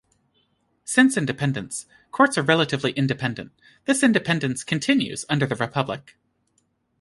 Since independence, courts are relatively independent; this independence continues under the Republic.